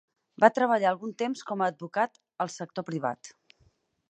Va treballar algun temps com a advocat al sector privat.